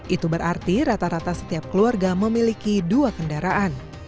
itu berarti rata rata setiap keluarga memiliki dua kendaraan